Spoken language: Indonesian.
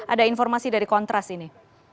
ada informasi dari kontras ini